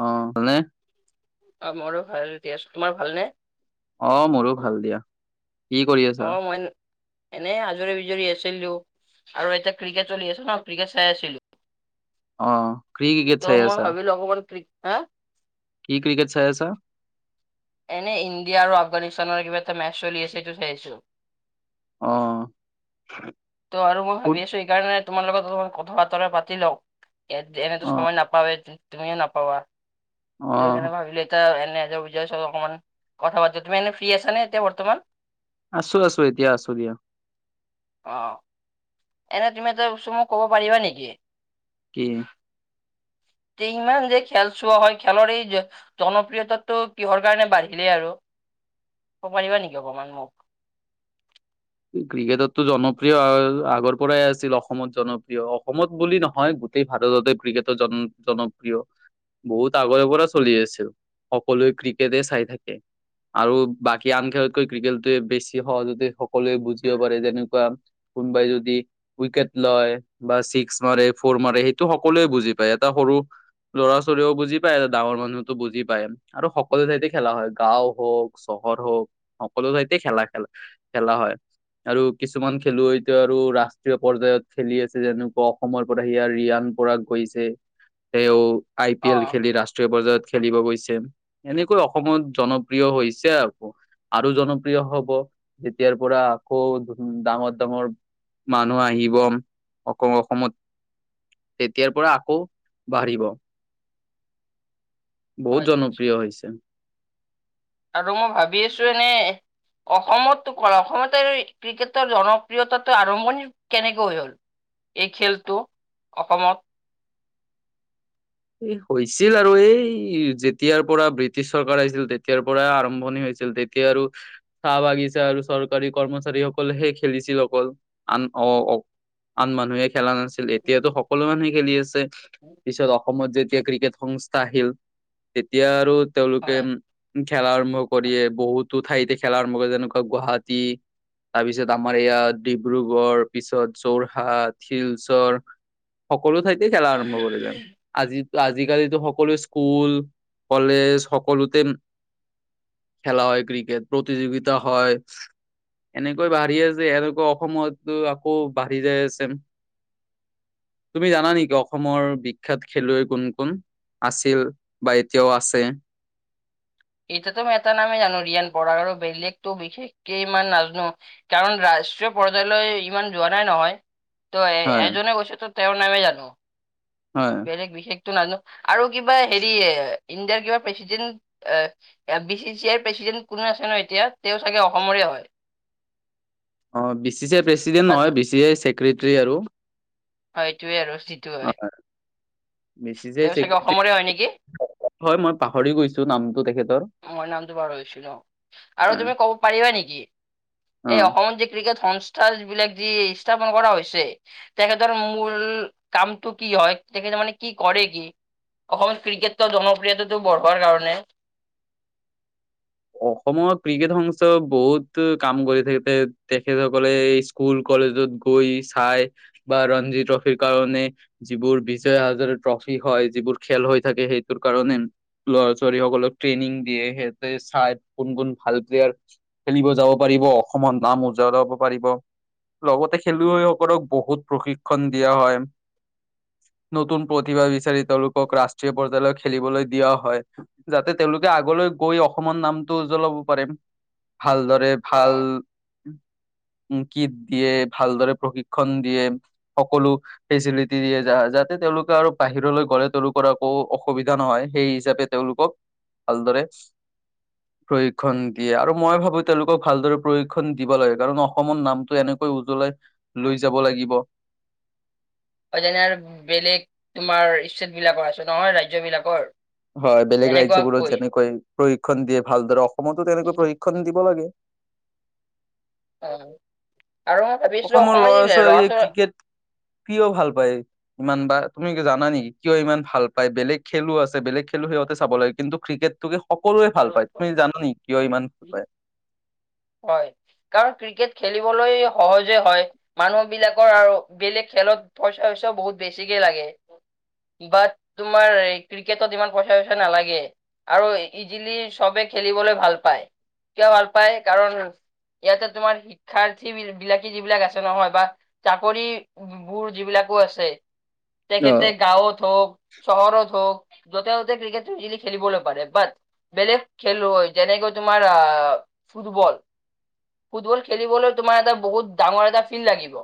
অ ভাল নে? অ মোৰো ভাল দিয়াছ। তোমাৰ ভালনে? অ মোৰো ভাল দিয়া কি কৰি আছা অ মই এনেই আজৰি বিজৰি আছোঁ ছিলো আৰু এতিয়া ক্ৰিকেট চলি আছ ন ক্ৰিকেট চাই আছিলোঁ অ কি ক্ৰিকেট চাই আছা ভাবিলো অকমান ক্ৰিক হা কি ক্ৰিকেট চাই আছা এনে ইণ্ডিয়া আৰু আফগানিস্তানৰ কিবা এটা মেচ চলি আছে সেটো চাইছোঁ। অ ত' আৰু মই ফুট ভাবি আছোঁ এইকাৰণে তোমাৰ লগত ধৰ কথা বতৰা পাতি লও এ এনেতো অ সময় নাপাওৱে তুমিয়ো নাপাবা। [unintelligible] অ মান কথা বাৰ্তা তুমি এনে ফ্ৰী আছা নে এতিয়া বৰ্তমান আছোঁ আছোঁ এতিয়া আছোঁ দিয়া অ', অ', এনে তুমি এটা [unintelligible] মোক ক'ব পাৰিবা নেকি? কি তে ইমান যে খেল চোৱা হয় খেলৰ এই জনপ্ৰিয়তাটো কিহৰ কাৰণে বাঢ়িলেই আৰু? ক'ব পাৰিবা নেকি অকমান মোক? ক্ৰিকেটতো জনপ্ৰিয় আগৰ পৰাই আছিল অসমত জনপ্ৰিয় অসমত বুলি নহয় গোটেই ভাল ভাৰততে ক্ৰিকটৰ জন জনপ্ৰিয় বহুত আগৰে পৰা চলি আছিল সকলোৱে ক্ৰিকেটে চাই থাকে আৰু বাকী আন খেলতকৈ ক্ৰিকেটটোৱে বেছি সহজতে সকলোৱে বুজিব পাৰে যেনেকুৱা কোনোবাই যদি উইকেট লয় বা ছিক্স ম [unintelligible] [unintelligible] মাৰে সেইটো সকলোৱে বুজি পায় এটা সৰু ল'ৰা ছোৱালীও বুজি পায় ডাঙৰ মানুহতো বুজি পায় আৰু সকলো ঠাইতে খেলা হয় গাও হওক চ [unintelligible] হওক সকলো ঠাইতে খেলা খেলা- খেলা হয়। আৰু কিছুমান খেলুৱৈটো আৰু ৰাষ্ট্ৰীয় পৰ্যায়ত খেলি আছে, যেনেকুৱা অসমৰ পৰা সিয়া ৰিয়ান। পৰা গৈছে তেওঁ আই পি অ এল খেলি ৰাষ্ট্ৰীয় পৰ্যায়ত খেলিব গৈছে, এনেকৈ অসমত জনপ্ৰিয় হৈছে আৰু। আৰু জনপ্ৰিয় হ'ব যেতিয়াৰ পৰা আকৌ ডাঙৰ-ডাঙৰ মানুহ আহিব আকৌ অসমত তেতিয়াৰ পৰা আকৌ বাঢ়িব। বহুত হয় দিয়া, জনপ্ৰিয় হৈছে আৰু মই ভাবি আছো এনে অসমতটো কৰা অসমত ক্ৰিকেটৰ জনপ্ৰিয়তাটো আৰম্ভণি কেনেকৈ হ'ল। এই খেলটো অসমত, হৈছিল আৰু এই যেতিয়াৰ পৰা ব্ৰিটিছ চৰকাৰ আহিছিল তেতিয়াৰ পৰা আৰম্ভণি হৈছিল তে। তেতিয়া আৰু চাহ বাগিচা আৰু চৰকাৰী কৰ্মচাৰীসকলেহে খেলিছিল অকল, আন অ'। আন মানুহে খেলা নাছিল এতিয়াতো সকলো মানুহে খেলি আছে পিছত অসমত যেতিয়া ক্ৰিকেট সংস্থা আহিল তেতিয়া আৰু তেওঁলোকে হয় উম খেলা আৰম্ভ কৰিয়ে বহুতো ঠাইতে খেলা আৰম্ভ কৰে যেনেকুৱা গুৱাহাটী। তাৰপিছত আমাৰ ইয়াত ডিব্ৰুগড় পিছত যোৰহাট, শিলচৰ। [unintelligible] সকলোঠাইতে খেলা আৰম্ভ কৰিলে। আজি আজিকালিতো সকলো স্কুল কলেজ সকলোতে খেলা হয়, ক্ৰিকেট প্ৰতিযোগিতা হয়। এনেকৈ বাঢ়ি আছে এনেকুৱা অসমত আকৌ বাঢ়ি যাই আছে। তুমি জানা নেকি অসমৰ বি বিখ্যাত খেলুৱৈ কোন- কোন আছিল বা এতিয়াও আছে। এতোটো মই এটা নামেই জানো ৰিয়ান বড়া বেলেগতো বিশেষকে ইমান নাজনো কাৰণ। ৰাষ্ট্ৰীয় পৰ্যায়লৈ ইমান যোৱা নাই নহয়। ত' হয় এজনে কৈছেতো তেওঁৰ নামে জানো হয় বেলেগ বিশষেটো নাজা আৰু কিবা হেৰি ইণ্ডিয়াৰ কিবা প্ৰেচিডেণ্ট। এ বি চি চিৰ প্ৰেচিডেণ্ট কোনো আছে ন এতিয়া তেওঁ চাগে অসমৰে হয়। [unintelligible] অ' B C C I president বা নহয়, বি চি চি আইৰ ছেক্ৰেটৰী আৰু। সেইটোয়ে আৰু যিটো হয় বি চি চি আই তেওঁ চাগে ছেক্ৰেটৰী অসমৰে হয় নেকি। হয় মই পাহৰি গৈছো নামটো তেখেতৰ। মই নামটো পাহৰিছোঁ ন আৰু হয় তুমি ক'ব পাৰিবা নেকি অ এই অসমত যে ক্ৰি তে সংস্থা যি বিলাক যি স্থাপন কৰা হৈছে তেখেতৰ মূল কামটো কি হয় [unintelligible] মানে কি কৰে কি অসম ক্ৰিকেটৰ জনপ্ৰিয়তাটো বঢ়োৱাৰ কাৰণে। অসমৰ ক্ৰিকেট সংস্থা বহুত কাম কৰি থাকে দে তেখেতসকলে স্কুল কলে, [unintelligible] গৈ চাই বা ৰঞ্জিত ট্ৰফিৰ কাৰণে যিবোৰ বিজয় হাজৰ ট্ৰফি হয় যিবোৰ খেল হৈ থাকে, সেইটোৰ কাৰণে ল'ৰা ছোৱালী সকলক ট্ৰেইনিং দিয়ে সেহতে ঠাইত কোন কোন ভাল প্লেয়াৰ খেলিব যাব পাৰিব অসমত নাম উজাইলাব পাৰিব [unintelligible] লগতে খেলুৱৈসকলক বহুত প্ৰশিক্ষণ দিয়া হয়। নতুন প্ৰতিভা বিচাৰি তেওঁলোকক ৰাষ্ট্ৰীয় পৰ্যায়লৈ খেলিবলৈ দিয়া হয়, যাতে তেওঁলোকে আগলৈ গৈ অসমৰ নামটো উ জ্বলাব পাৰিম। ভালদৰে ভাল। উম, কিট দিয়ে ভালদৰে প্ৰশিক্ষণ দিয়ে সকলো ফেচিলিটি দিয়ে যাত তেওঁলোকে আৰু বাহিৰলৈ গ'লে তেওঁলোকৰ আকৌ অসুবিধা নহয়, সেই হিচাপে তেওঁলোকক আলদাৰেছ। প্ৰশিক্ষণ দিয়ে, আৰু মই ভাবো তেওঁলোকক ভালদৰে প্ৰশিক্ষণ দিব লাগে। কাৰণ অসমৰ নামটো এনেকৈ উ লৈ যাব লাগিব হয়, যেনে বেলেগ তোমাৰ ষ্টেট বিলাকৰ আছে নহয় ৰাজ্যবিলাকৰ হয় বেলেগ ৰাজ্যবোৰত যেনেকৈ প্ৰশিক্ষণ দিয়ে ভালদৰে অসমতো তেনেকৈ প্ৰশিক্ষণ দিব লাগে হয়। অসমৰ লৰা ছোৱালীয়ে ক্ৰিকেট প্ৰিয় ভাল পায় ইমান বা তুমি জানা নেকি কিয় ইমান ভাল পাই, বেলেগ খেলো আছে বেলেগ খেলো সিহঁতে চাব লাগে কিন্তু ক্ৰিকেটোকে সকলোৱে ভাল পায় তুমি জানা নে কিয় ইমান ভাল পায় হয় কাৰণ ক্ৰিকেট খেলিবলৈ সহজে হয় মানুহ বিলাকৰ আৰু বেলেগ খেলত পইচা, পইচা বহুত বেছিকে বাট তোমাৰ ক্ৰিকেটত ইমান, পইচা, পইচা নালাগে আৰু ইজিলি চবে খেলিবলৈ ভাল পায়, কিয়া ভাল পায় কাৰণ ইয়াতে তোমাৰ শিক্ষাৰ্থী বিলাকে যিবিলাক আছে নহয় বা চাকৰি বোৰ যিবিলাক আছে তেখেতে অ', গাঁৱত হওক চহৰত হওক য'তে ত'তে ক্ৰিকেট মিজিলি খেলিবলৈ পাৰে বাট বেলেগ খেলুঐ যেনেক তোমাৰ আহ ফুটবল ফুটবল খেলিবলৈ তোমাৰ এটা বহুত ডাঙৰ এটা ফিল্ড লাগিব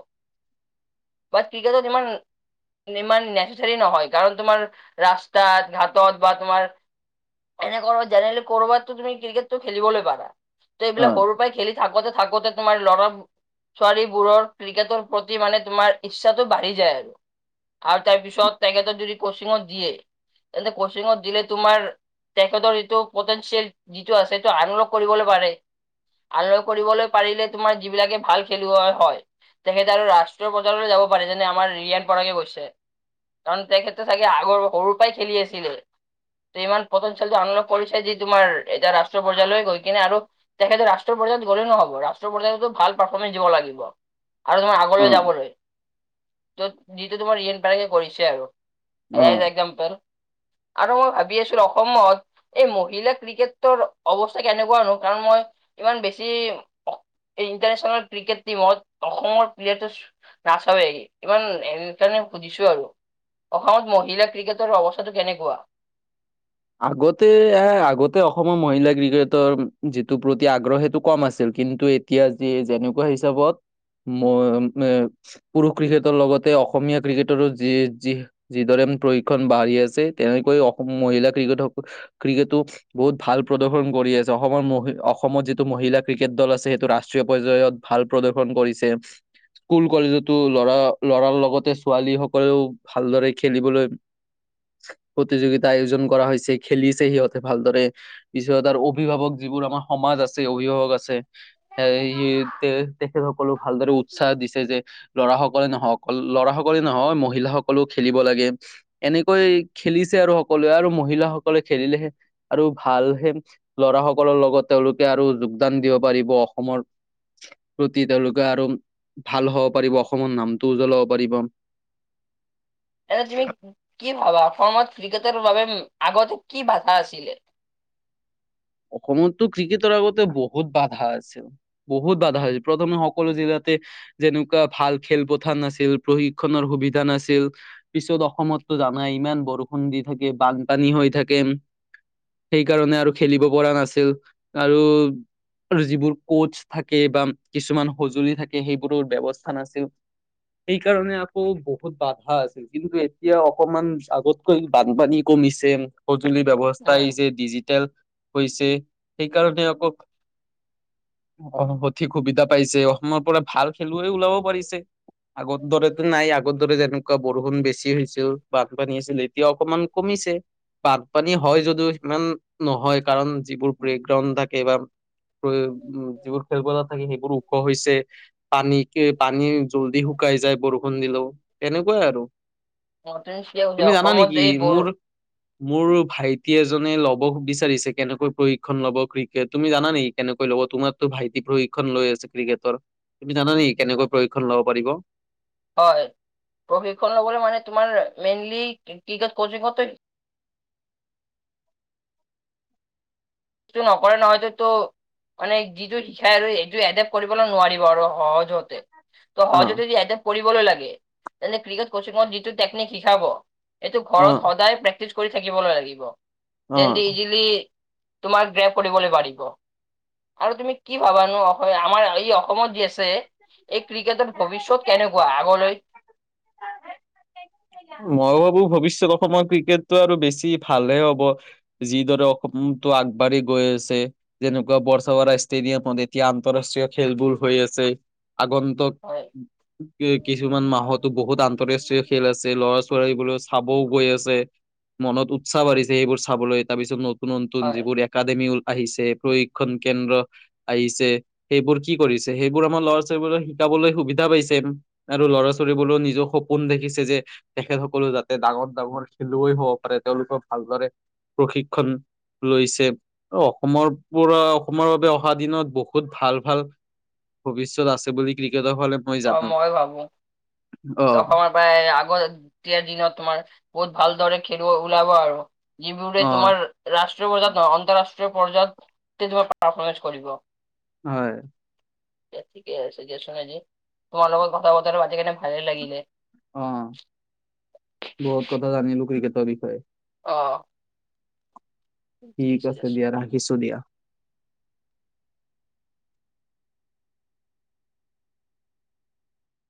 বাট ক্ৰিকটত ইমান ইমান নেচচাৰি নহয়, কাৰণ তোমাৰ ৰাস্তাত ঘাটত বা তোমাৰ এনে কৰ জি কৰ'বাত তো তুমি ক্ৰিকটটো খেলিবলৈ পাৰা ত এইবিলাক অ', সৰুৰ পৰাই খেলি থাকোঁতে থাকোতে তোমাৰ ল'ৰা ছোৱালীবোৰৰ ক্ৰিকেটৰ প্ৰতি মানে তোমাৰ ইচ্ছাটো বাঢ়ি যায় আৰু আৰু তাৰপিছত তেখেতৰ যদি কোচিংত দিয়ে তেন্তে কোচিং দিলে তোমাৰ তেখেতৰ যিটো পটেঞ্চিয়েল যিটো আছে সেইটো আনলক কৰিবলৈ পাৰে। আনলক কৰিবলৈ পাৰিলে তোমাৰ যিবিলাকে ভাল খেলুৱা হয়। তেখেতে আৰু ৰাষ্ট্ৰীয় প্ৰজাৰলৈ যাব পাৰে যেনে আমাৰ ৰিয়ান পৰাকে গৈছে কাৰণ তেখেততে চাগে আগৰ সৰু পৰাই খেলি আছিলে ইমান পটেঞ্চিয়েলটো আনলক কৰিছে যে তোমাৰ এতিয়া ৰাষ্ট্ৰীয় প্ৰয্যায়লৈ গৈ কিনে, আৰু তেখেতে ৰাষ্ট্ৰীয় প্ৰয্যায়ত গ'লে নহব। ৰাষ্ট্ৰপধানতো ভাল পাৰফৰ্মেন্ঞ্চ দিব লাগিব আৰু তোমাৰ আগলৈ অ', যাবলৈ য'ত যটো তোমাৰ ৰিয়ান পৰাগে কৰিছে আৰু অ'। সেইয়া এক্সাম্পল, আৰু মই ভাবি আছো ৰ। অসময়ত এই মহিলা ক্ৰিকেটৰ অৱস্থা কেনেকুৱানো কাৰণ মই ইমান বেছি এই ইণ্টাৰনেশ্যনেল ক্ৰিকেট টিমত অসমৰ প্লেয়াৰটো নাচাবে ইমান সেইকাৰণে সুধিছো আৰু অসমত মহিলা ক্ৰিকেটৰ অৱস্থাটো কেনেকুৱা? আগতে এ আগতে অসমৰ মহিলা ক্ৰিকেটৰ যিটো প্ৰতি আগ্ৰহ সেইটো কম আছিল কিন্তু এতিয়া যি যেনেকুৱা হিচাপত ম পুৰুষ ক্ৰিকেটৰ লগতে অসমীয়া ক্ৰিকেটাৰো যি যি যিদৰে প্ৰশিক্ষন বাঢ়ি আছে তেনেকৈ অসম মহিলাক ক্ৰিকেট ক্ৰিকেটটো বহুত ভাল প্ৰদৰ্শন কৰি আছে অসমৰ অসমত যিটো মহিলা ক্ৰিকেট দল আছে সেইটো ৰাষ্ট্ৰীয় পৰ্যায়ত ভাল প্ৰদৰ্শন কৰিছে। স্কুল কলেজতো লৰা লৰাৰ লগতে ছোৱালী সকলেও ভালদৰে খেলিবলৈ প্ৰতিযোগিতা আয়োজন কৰা হৈছে খেলিছে সিহঁতে ভালদৰে পিছত আৰু অভিভাৱক যিবোৰ আমাৰ সমাজ আছে অভিভাৱক আছে স তে তেখেত সকলক ভালদৰে উৎসাহ দিছে যে লৰা সকলে নহওক লৰা সকলে নহয় মহিলাসকলে খেলিব লাগে এনেকৈ খেলিছে আৰু সকলোৱে আৰু মহিলাসকলে খেলিলেহে আৰু ভালহে ল'ৰা সকলৰ লগত তেওঁলোকে আৰু যোগদান দিব পাৰিব অসমৰ প্ৰতি, তেওঁলোকে আৰু ভাল হ'ব পাৰিব অসমৰ নামটো উজ্বলাব পাৰিব [inaudible] এনে তুমি কি ভাবা অসমত ক্ৰিকেটৰ বাবে আগতে কি বাধা আছিলে? অসমততো ক্ৰিকেটৰ আগতে বহুত বাধা আছে, বহুত বাধা হৈছিল প্ৰথমে সকলো জিলাত যেনেকুৱা ভাল খেলপথাৰ নাছিল। প্ৰশিক্ষনৰৰ সুবিধা নাছিল। পিছত অসমত টো জানাই ইমান বৰষুণ দি থাকে। বানপানী হৈ থাকে। সেইকাৰণে আৰু খেলিব পৰা নাছিল। আৰু যিবোৰ কোচ থাকে বা কিছুমান সঁজুলি থাকে সেইবোৰৰ ব্যৱস্থা নাছিল। সেই কাৰণে আকৌ বহুত বাধা আছিল কিন্তু এতিয়া অকমান আগতকৈ বানপানী কমি নিছে সঁজুলি ব্যৱস্থাই উম যে ডিজিটেল হৈছে, সেইকাৰণে আকৌ অ' সঠিক সুবিধা পাইছে। অসমৰ পৰা ভাল খেলুৱৈও ওলাব পাৰিছে। আগৰ দৰেতো নাই। আগৰ দৰে যেনেকুৱা বৰষুণ বেছি হৈছিল, বানপানী আছিল, এতিয়া অকনমান কমি পিছে বানপানী হয় যদিও সিমান নহয়। কাৰণ যিবোৰ ব্ৰেকগ্ৰাউণ্ড থাকে বা উ যিবোৰ খেলপথাৰ থাকে সেইবোৰ ওখ হৈছে। পানী কে পানী জল্দি শু শুকাই যাই বৰষুণ দিলেও এনেকুৱাই আৰু। অ, তুমি ঠিকে কৈছা তুমি জানা অসমত নেকি এই বৰ মোৰ মোৰ ভাইত টি এজনে ল'ব বিচাৰিছে। কেনেকৈ প্ৰশিক্ষণ লব ক্ৰিকেট। তুমি জানা নেকি কেনেকৈ লব তোমাৰতো ভাইটি প্ৰশিক্ষণ লৈ আছে ক্ৰিকেটৰ। তুমি জানা নেকি কেনেকৈ প্ৰশিক্ষণ লব পাৰিব? হয় প্ৰশিক্ষণ লবলে মানে তোমাৰ মেইনলি ক্ৰিকেট কোচিংতে টো নকৰে নহয়ততো মানে যিটো শিকাই আৰু সেইটো এডেপট কৰিবলৈ নোৱাৰিব আৰু সহজ জতে। ত অ সহজতে যদি এদপ্ত কৰিবলৈ লাগে ক ক্ৰিকেট কোচিং ত যিটো টেকনিক শিকাব এইটো অ ঘৰত সদায় প্ৰেক্টিছ কৰি থাকিবই লাগিব অ তেন্তে ইজিলি তোমাক গ্ৰেপ কৰিবলৈ পাৰিব। আৰু তুমি কি ভাবানো আমাৰ এই অসমত যি আছে এই ক্ৰিকেটৰ ভৱিষ্যত কেনেকুৱা আগলৈ। মই ভাবো ভৱিষ্যত অসমৰ ক্ৰিকেটটো আৰু বেছি ভালহে হব, যিদৰে অসমতো আগ আগবাঢ়ি গৈ আছে। যেনেকুৱা বৰ্ষাবাৰা ষ্টেডিয়ামত এতিয়া আন্তৰাষ্ট্ৰীয় খেলবোৰ হৈ আছে। আগন্তক হয় কি কিছুমান মাহতো বহুত আন্তৰাষ্ট্ৰীয় খেল আছে ল'ৰা বলৈ চাবও গৈ আছে, মনত উৎসাহ বাঢ়িছে এইবোৰ চাবলৈ তাৰপিছত নতু নতুন হয় যিবোৰ একাডেমি হ'ল আহিছে প্ৰশিক্ষণ কেন্দ্ৰ আহিছে, সেইবোৰ কি কৰিছে সেইবোৰ আমাৰ ল'ৰা-ছো টেবুলত শিকাবলৈ সুবিধা পাইছে আৰু ল'ৰা- ছোৱালী বোৰেও নিজৰ সপোন দেখিছে যে তেখেত সকলেও যাতে ডাঙৰ, ডাঙৰ খেলুৱৈ হ'ব পাৰে তেওঁলোকৰ ভালদৰে প্ৰশিক্ষণ। লৈছে অসমৰ পৰা অসমৰ বাবে অহা দিনত বহুত ভাল ভাল ভৱিষ্যত আছে। বুলি ক্ৰিকেটৰ ফালে অ' জানো মই ভাবো। অ অসমৰ প্ৰায় আগত এতিয়াৰ দিনত তোমাৰ বহুত ভালদৰে খেলুৱ ওলাব আৰু যিবোৰে অ তোমাৰ ৰাষ্ট্ৰীয় পৰ্যায়ত নহয় অন্তঃৰাষ্ট্ৰীয় পৰ্যায়ত তোমাৰ পাৰফৰ্মেঞ্চ কৰিব। হয়। এতিয়া ঠিকে আছে দিয়াচোন, এনেই তোমাৰ লগত কথা বতৰাটো পাতি কিনে ভালেই লাগিলে। অ' বহুত কথা জানিলো ক্ৰিকেটৰ বিষয়ে। অ'। ঠিক আছে দিয়া ৰাখিছো দিয়া।